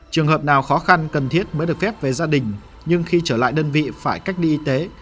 trường hợp nào khó khăn cần thiết mới được phép về gia đình nhưng khi trở lại đơn vị phải cách ly y tế